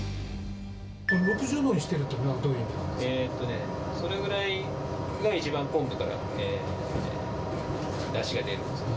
６０度にしてるっていうのはそれぐらいが一番、昆布からだしが出るんです。